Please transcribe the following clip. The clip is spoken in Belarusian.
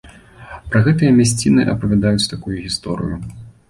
Пра гэтыя мясціны апавядаюць такую гісторыю.